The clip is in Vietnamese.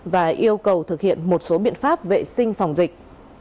và yêu cầu thực hiện một số biện pháp vệ sinh phòng dịch